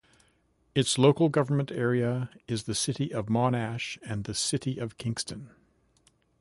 Its local government area is the City of Monash and the City of Kingston.